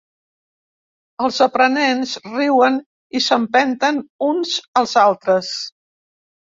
Els aprenents riuen i s'empenten uns als altres.